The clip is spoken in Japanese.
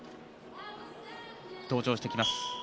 登場してきます。